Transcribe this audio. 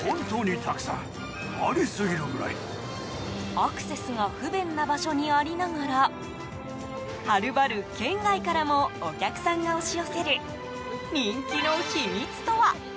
アクセスが不便な場所にありながらはるばる県外からもお客さんが押し寄せる人気の秘密とは。